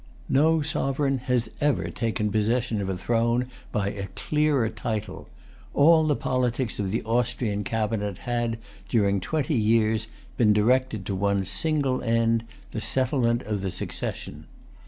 No sovereign has ever taken possession of a throne by[Pg 258] a clearer title. All the politics of the Austrian cabinet had, during twenty years, been directed to one single end, the settlement of the succession.